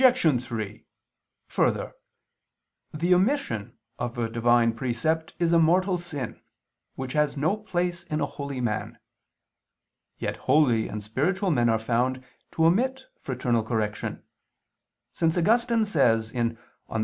3: Further, the omission of a Divine precept is a mortal sin, which has no place in a holy man. Yet holy and spiritual men are found to omit fraternal correction: since Augustine says (De Civ.